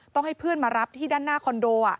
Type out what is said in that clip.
ให้เพื่อนมารับที่ด้านหน้าคอนโด